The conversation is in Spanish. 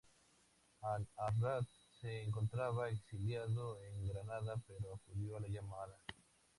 Al-Azraq se encontraba exiliado en Granada pero acudió a la llamada.